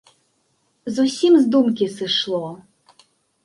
Зусім з думкі сышло.